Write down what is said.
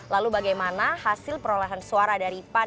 lalu bagaimana hasil perolehan suara dari pan